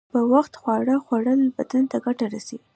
په وخت خواړه خوړل بدن ته گټه رسوي.